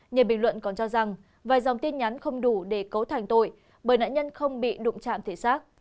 nhiều bình luận còn cho rằng vài dòng tin nhắn không đủ để cấu thành tội bởi nạn nhân không bị đụng chạm thể xác